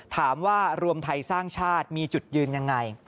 ถามว่ารวมไทยสร้างชาติมีจุดยืนยังไง